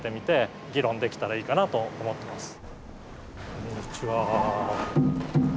こんにちは。